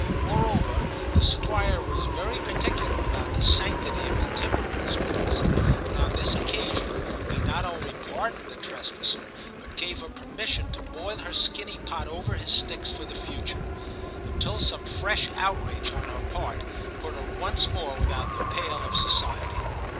More over, the Squire was very particular about the sanctity of the timber in his woods. But on this occasion he not only pardoned the tres passer, but gave her permission to boil her Ill TIM 39 skinny pot over his sticks for the future ; until some fresh outrage on her part put her once more without the pale of society.